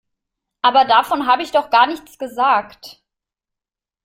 Aber davon habe ich doch gar nichts gesagt!